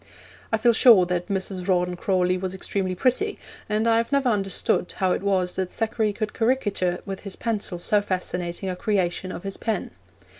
I feel sure that Mrs. Rawdon Crawley was extremely pretty, and I have never understood how it was that Thackeray could caricature with his pencil so fascinating a creation of his pen.